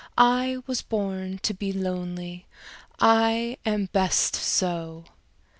I was born to be lonely, I am best so!"